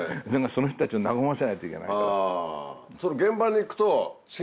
その人たちを和ませないといけないから。